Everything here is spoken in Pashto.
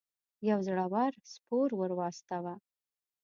یو زړه ور سپور ور واستاوه.